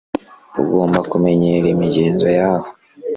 ugomba kumenyera imigenzo yaho